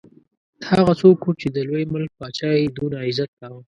هغه څوک وو چې د لوی ملک پاچا یې دونه عزت کاوه.